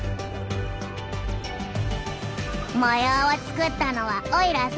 「模様を作ったのはおいらさ」。